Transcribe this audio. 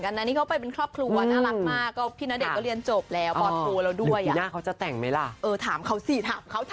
อันนี้คือเพลงอะเส็นติงมา